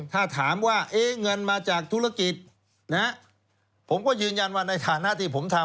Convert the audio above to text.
ถ้าถามว่าเงินมาจากธุรกิจนะผมก็ยืนยันว่าในฐานะที่ผมทำ